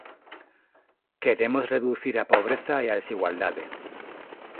Queremos reducir a pobreza e a desigualdade.